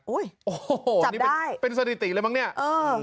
อุ้ยจับได้เป็นสถิติเลยมั้งเนี้ยเออ